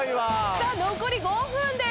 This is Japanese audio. さあ残り５分です。